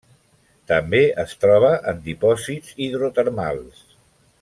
També es troba en dipòsits hidrotermals.